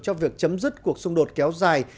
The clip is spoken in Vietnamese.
cho việc chấm dứt cuộc xung đột kéo dài